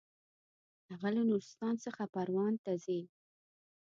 هغه له نورستان څخه پروان ته ځي.